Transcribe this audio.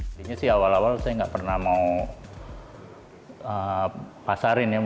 sebenarnya awal awal saya nggak pernah mau pasarin ya